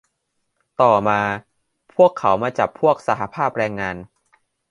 ต่อมา พวกเขามาจับพวกสหภาพแรงงาน